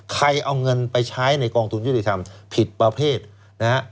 ใครเอาเงินไปใช้ในกองทุนยุติธรรมผิดประเภทนะฮะ